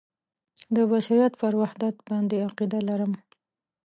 د بشریت پر وحدت باندې عقیده لرم.